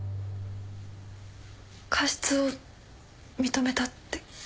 過失を認めたって。